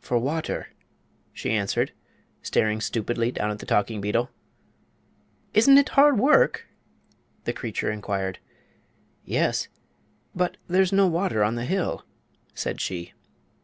"For water," she answered, staring stupidly down at the talking beetle. "Isn't it hard work?" the creature inquired. "Yes; but there's no water on the hill," said she.